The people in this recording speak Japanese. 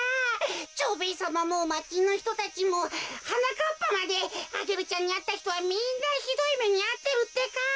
蝶兵衛さまもまちのひとたちもはなかっぱまでアゲルちゃんにあったひとはみんなひどいめにあってるってか。